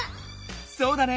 そうだね！